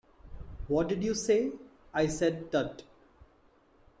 What did you say? I said 'Tut!'